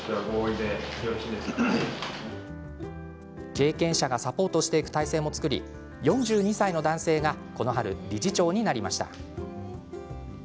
経験者がサポートしていく体制も作り、４２歳の男性がこの春、理事長になりました。